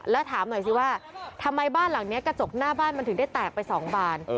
แล้วถามหน่อยสิว่าทำไมบ้านหลังนี้กระจกหน้าบ้านมันถึงได้แตกไป๒บาน